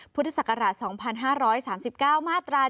พุทธศักราช๒๕๓๙มาตรา๑